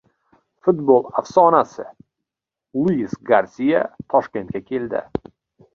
Futbol afsonasi Luis Garsiya Toshkentga keldi